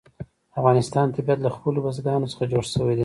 د افغانستان طبیعت له خپلو بزګانو څخه جوړ شوی دی.